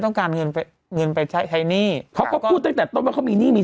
การเงินไปเงินไปใช้ใช้หนี้เขาก็พูดตั้งแต่ต้นว่าเขามีหนี้มี